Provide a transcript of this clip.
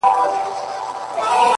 په دې پوهېږمه چي ستا د وجود سا به سم ـ